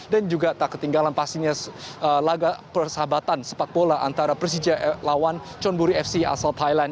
dan juga tak ketinggalan pastinya laga persahabatan sepak bola antara persija lawan conburi fc asal thailand